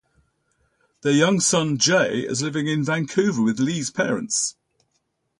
Their young son, Jay, is living in Vancouver with Lee's parents.